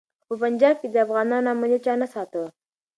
خو په پنجاب کي د افغانانو امنیت چا نه ساته.